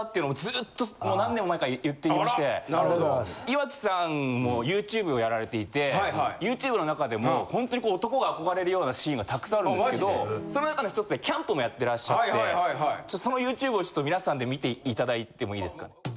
岩城さんもＹｏｕＴｕｂｅをやられていてＹｏｕＴｕｂｅの中でもほんとにこう男が憧れるようなシーンがたくさんあるんですけどその中の１つでキャンプもやってらっしゃってちょっとそのＹｏｕＴｕｂｅを皆さんで見て頂いてもいいですか。